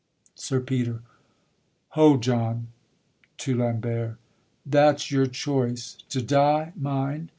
SIR PETER. Hold, John! [To Lambert. That's your choice, To die, mind!